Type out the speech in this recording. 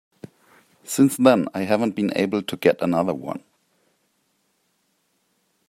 Since then I haven't been able to get another one.